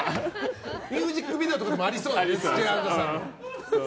ミュージックビデオとかでもありそうですけど。